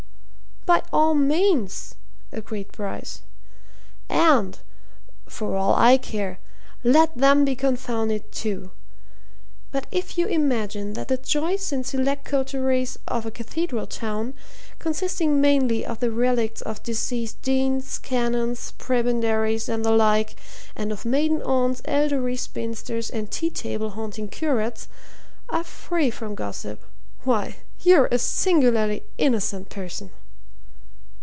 "By all means," agreed Bryce. "And for all I care let them be confounded, too. But if you imagine that the choice and select coteries of a cathedral town, consisting mainly of the relicts of deceased deans, canons, prebendaries and the like, and of maiden aunts, elderly spinsters, and tea table haunting curates, are free from gossip why, you're a singularly innocent person!"